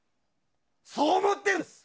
そう思っているんです。